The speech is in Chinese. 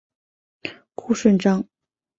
顾顺章。